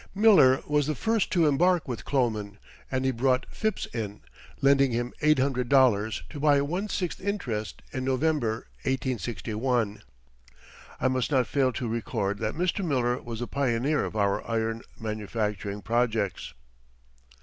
Miller was the first to embark with Kloman and he brought Phipps in, lending him eight hundred dollars to buy a one sixth interest, in November, 1861. I must not fail to record that Mr. Miller was the pioneer of our iron manufacturing projects.